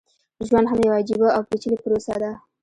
ژوند هم يوه عجيبه او پېچلې پروسه ده.